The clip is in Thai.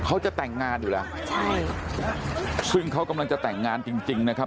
เขาจะแต่งงานอยู่แล้วใช่ซึ่งเขากำลังจะแต่งงานจริงจริงนะครับ